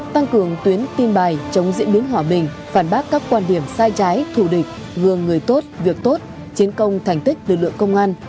tăng cường tuyến tin bài chống diễn biến hòa bình phản bác các quan điểm sai trái thủ địch gương người tốt việc tốt chiến công thành tích lực lượng công an